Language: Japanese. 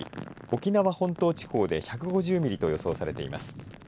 沖縄本島地方で１５０ミリと予想されています。